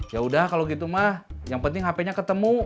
yaudah kalau gitu mah yang penting hpnya ketemu